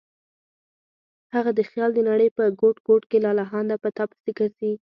هغه د خیال د نړۍ په ګوټ ګوټ کې لالهانده په تا پسې ګرځي.